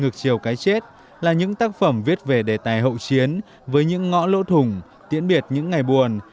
một cái chết là những tác phẩm viết về đề tài hậu chiến với những ngõ lỗ thủng tiễn biệt những ngày buồn